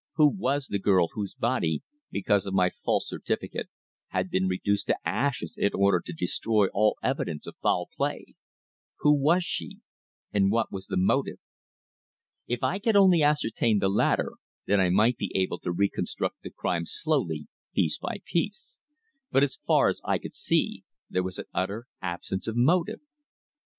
Who was the girl whose body, because of my false certificate, had been reduced to ashes in order to destroy all evidence of foul play? Who was she and what was the motive? If I could only ascertain the latter, then I might be able to reconstruct the crime slowly, piece by piece. But as far as I could see there was an utter absence of motive.